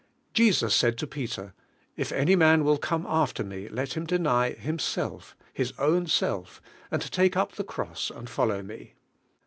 Jesus said to Peter: "If any man will come after me let him deny himself, his own self, and take up the cross and follow me."